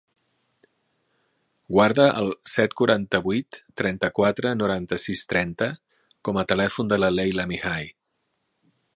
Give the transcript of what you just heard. Guarda el set, quaranta-vuit, trenta-quatre, noranta-sis, trenta com a telèfon de la Leila Mihai.